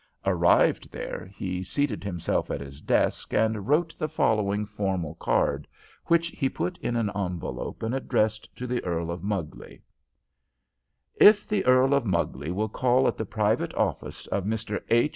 Arrived there, he seated himself at his desk and wrote the following formal card, which he put in an envelope and addressed to the Earl of Mugley: "If the Earl of Mugley will call at the private office of Mr. H.